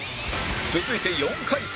続いて４回戦